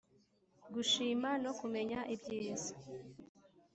gushima no kumenya ibyiza